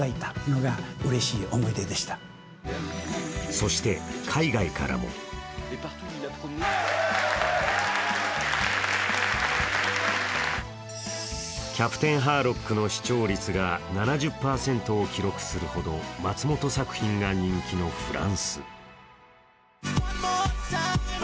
そして、海外からも「キャプテンハーロック」の視聴率が７０％を記録するほど松本作品が人気のフランス。